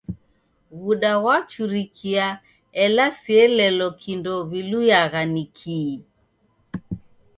W'uda ghwachurikia ela sielelo kindo w'iluyagha ni kii!